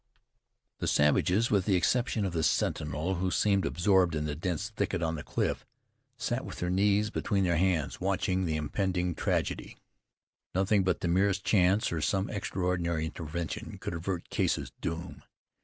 The savages, with the exception of the sentinel who seemed absorbed in the dense thicket on the cliff, sat with their knees between their hands, watching the impending tragedy. Nothing but the merest chance, or some extraordinary intervention, could avert Case's doom.